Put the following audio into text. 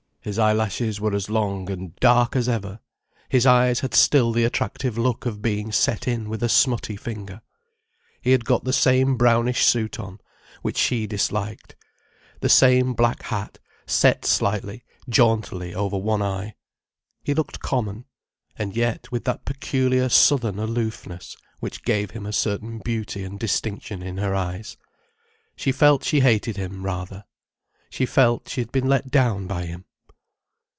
His eyelashes were as long and dark as ever, his eyes had still the attractive look of being set in with a smutty finger. He had got the same brownish suit on, which she disliked, the same black hat set slightly, jauntily over one eye. He looked common: and yet with that peculiar southern aloofness which gave him a certain beauty and distinction in her eyes. She felt she hated him, rather. She felt she had been let down by him.